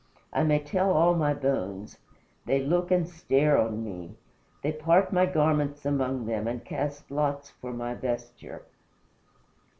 I may tell all my bones. They look and stare on me. They part my garments among them And cast lots for my vesture."